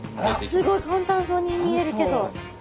すごい簡単そうに見えるけど。